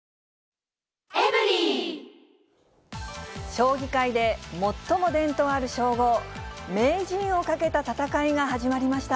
将棋界で、最も伝統ある称号、名人をかけた戦いが始まりました。